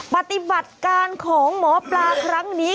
ปฏิบัติการของหมอปลาครั้งนี้